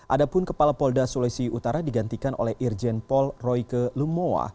adapun kepala polda sulawesi utara digantikan oleh irjen pol royke lumowa